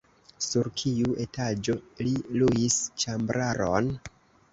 Sur kiu etaĝo li luis ĉambraron?